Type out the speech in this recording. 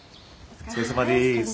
お疲れさまです。